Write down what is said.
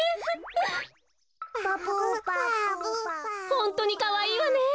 ホントにかわいいわね！